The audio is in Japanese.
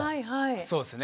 そうですね。